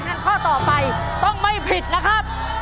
งั้นข้อต่อไปต้องไม่ผิดนะครับ